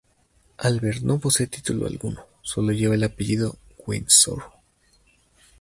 Albert no posee título alguno, solo lleva el apellido Windsor.